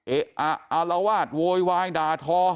เอ๊ะอาลาวาทโวยวายดาทอ